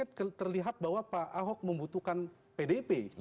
poin dari sini kan terlihat bahwa pak ahok membutuhkan pdip